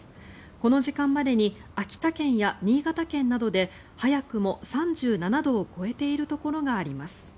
この時間までに秋田県や新潟県などで早くも３７度を超えているところがあります。